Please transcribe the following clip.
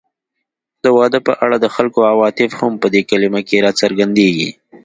د واده په اړه د خلکو عواطف هم په دې کلمه کې راڅرګندېږي